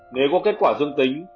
nếu có kết quả dương tính